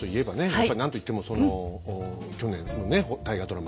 やっぱり何といってもその去年のね大河ドラマ